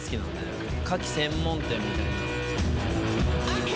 牡蠣専門店みたいな。